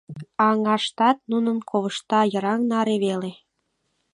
Аҥаштат нунын ковышта йыраҥ наре веле.